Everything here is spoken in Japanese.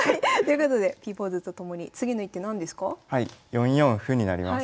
４四歩になります。